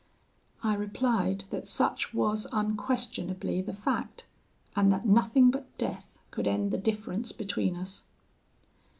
"I replied, that such was unquestionably the fact, and that nothing but death could end the difference between us.